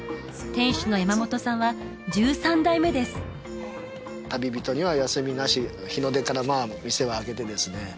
店主の山本さんは１３代目です旅人には休みなし日の出から店は開けてですね